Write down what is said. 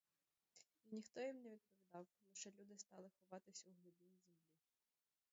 І ніхто їм не відповідав, лише люди стали ховатись у глибінь землі.